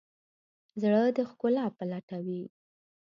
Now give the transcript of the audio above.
زړه د ښکلا په لټه وي.